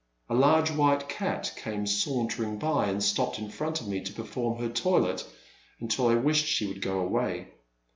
A large white cat came sauntering by and stopped in front of me to perform her toilet until I wished she would go away.